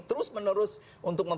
terus menerus untuk mendukung kami